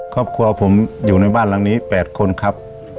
ครอบครัวผมอยู่ในบ้านหลังนี้๘คนครับ